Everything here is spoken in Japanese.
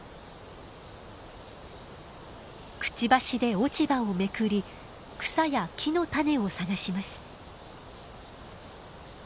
くちばしで落ち葉をめくり草や木の種を探します。